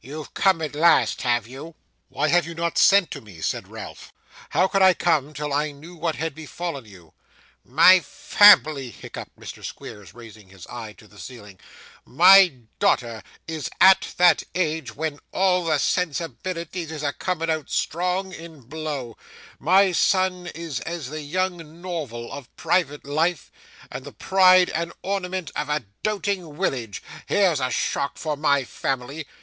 You've come at last, have you?' 'Why have you not sent to me?' said Ralph. 'How could I come till I knew what had befallen you?' 'My family!' hiccuped Mr. Squeers, raising his eye to the ceiling: 'my daughter, as is at that age when all the sensibilities is a coming out strong in blow my son as is the young Norval of private life, and the pride and ornament of a doting willage here's a shock for my family!